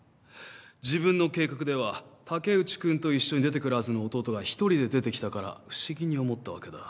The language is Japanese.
自分の計画では竹内君と一緒に出てくるはずの弟が一人で出てきたから不思議に思ったわけだ。